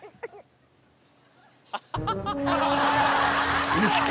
ハハハハ！